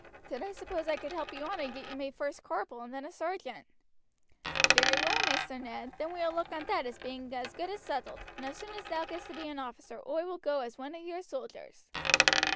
Then I suppose I could help you on and get you made first corporal and then a sergeant." "Very well, Maister Ned, then we will look on that as being as good as settled, and as soon as thou gets to be an officer oi will go as one of your soldiers."